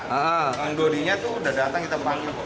uang dodinya itu udah datang kita panggil